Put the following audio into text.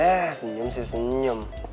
eh senyum sih senyum